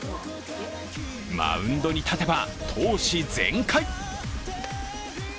マウンドに立てば闘志全開。